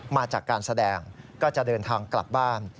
มาจากการแสดงก็จะเดินทางกลับบ้าน